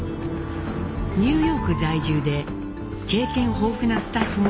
ニューヨーク在住で経験豊富なスタッフもチームに加わりました。